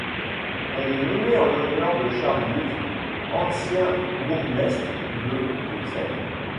Elle est nommée en l'honneur de Charles Buls, ancien bourgmestre de Bruxelles.